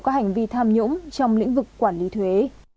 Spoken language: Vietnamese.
có hành vi tham nhũng trong lĩnh vực quản lý thuế